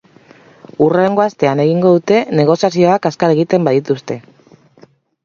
Hurrengo astean egingo dute, negoziazioak azkar egiten badituzte.